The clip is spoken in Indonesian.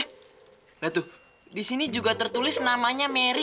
lihat tuh di sini juga tertulis namanya merry